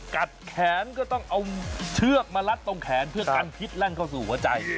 แขนก็ต้องเอาเชือกมารัดตรงแขนเพื่อกันพิษแล่นเข้าสู่หัวใจ